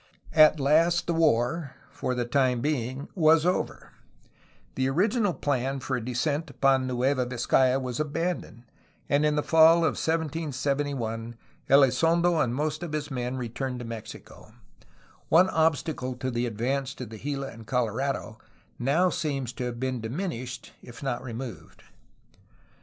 At last the war, for the time being, was over. The original plan for a descent upon Nueva Vizcaya was aban doned, and in the fall of 1771 EUzondo and most of his men THE PACIFICATION OF SONORA 239 returned to Mexico. One obstacle to the advance to the Gila and Colorado now seemed to have been diminished if not removed.